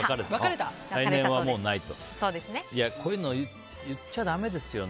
こういうの言っちゃだめですよね。